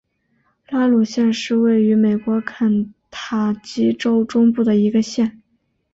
拉鲁县是位于美国肯塔基州中部的一个县。